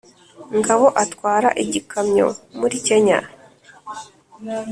ngabo atwara igikamyo muri kenya